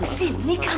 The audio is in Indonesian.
kenapa begitu lagi